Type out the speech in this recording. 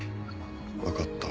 分かった。